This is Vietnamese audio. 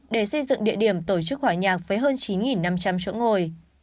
để xây dựng địa điểm tổ chức hòa nhạc với hơn chín năm trăm linh chỗ ngồi